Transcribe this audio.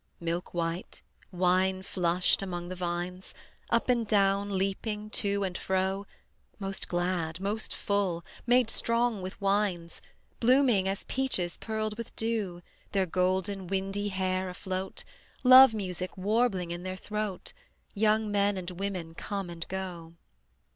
Milk white, wine flushed among the vines, Up and down leaping, to and fro, Most glad, most full, made strong with wines, Blooming as peaches pearled with dew, Their golden windy hair afloat, Love music warbling in their throat, Young men and women come and go.